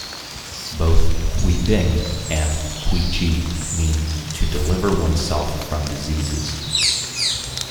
Both "Qubing" and "Qiji" mean to deliver oneself from diseases.